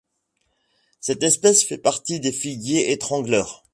Cette espèce fait partie des figuiers étrangleurs.